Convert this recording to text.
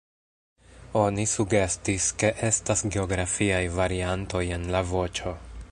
Oni sugestis, ke estas geografiaj variantoj en la voĉo.